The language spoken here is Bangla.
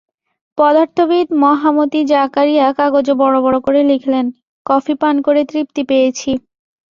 পদার্থবিদ মহামতি জাকারিয়া কাগজে বড় বড় করে লিখলেন, কফি পান করে তৃপ্তি পেয়েছি।